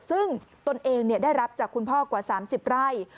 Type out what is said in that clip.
ซึ่งตนเองได้รับจากคุณพ่อกว่า๓๐ไร่